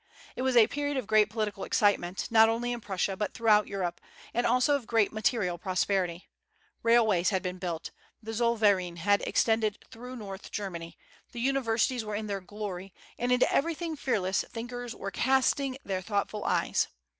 It was a period of great political excitement, not only in Prussia, but throughout Europe, and also of great material prosperity. Railways had been built, the Zollverein had extended through North Germany, the universities were in their glory, and into everything fearless thinkers were casting their thoughtful eyes.